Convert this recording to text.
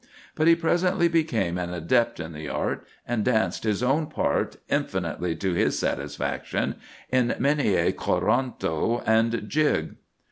But he presently became an adept in the art, and danced his own part, infinitely to his satisfaction, in many a corranto and jig.